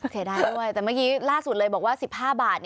เสียดายด้วยแต่เมื่อกี้ล่าสุดเลยบอกว่า๑๕บาท